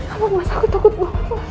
apa mas aku takut bu